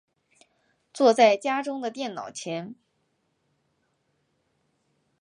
坐在家中的电脑前